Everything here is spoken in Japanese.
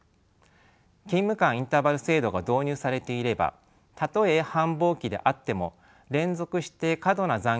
勤務間インターバル制度が導入されていればたとえ繁忙期であっても連続して過度な残業が続くことはなくなります。